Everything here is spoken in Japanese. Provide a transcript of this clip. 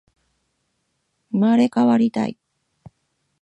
生まれ変わりたい